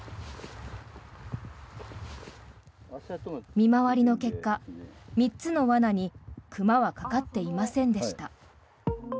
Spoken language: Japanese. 見回りの結果、３つの罠に熊はかかっていませんでした。